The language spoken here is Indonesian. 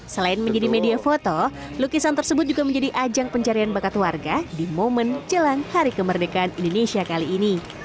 selain menjadi media foto lukisan tersebut juga menjadi ajang pencarian bakat warga di momen jelang hari kemerdekaan indonesia kali ini